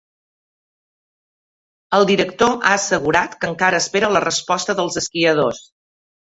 El director ha assegurat que encara espera la resposta dels esquiadors.